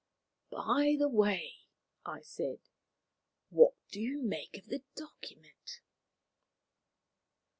"By the way," I said, "what do you make of the document?"